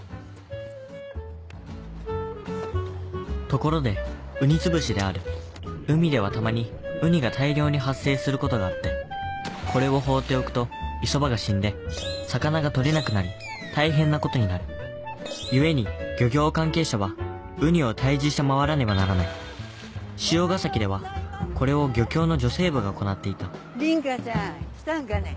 ところでウニ潰しである海ではたまにウニが大量に発生することがあってこれを放っておくと磯場が死んで魚が取れなくなり大変なことになる故に漁業関係者はウニを退治して回らねばならない汐ヶ崎ではこれを漁協の女性部が行っていた梨花ちゃん来たんかね。